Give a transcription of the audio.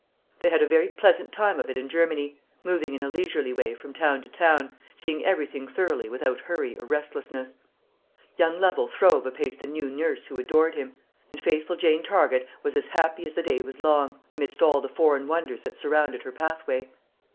They had a very pleasant time of it in Germany, moving in a leisurely way from town to town, seeing everything thoroughly without hurry or restlessness. Young Lovel throve apace; the new nurse adored him; and faithful Jane Target was as happy as the day was long, amidst all the foreign wonders that surrounded her pathway.